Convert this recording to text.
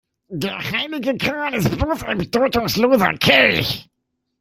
Der heilige Gral ist bloß ein bedeutungsloser Kelch.